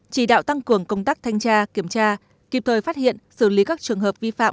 chỉ đạo tăng cường công tác thanh tra kiểm tra kịp thời phát hiện xử lý các trường hợp vi phạm